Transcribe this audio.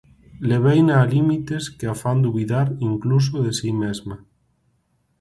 Leveina a límites que a fan dubidar incluso de si mesma.